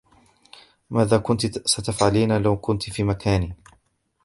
ماذا كنتِ ستفعَلينَ لو كنتِ في مكاني؟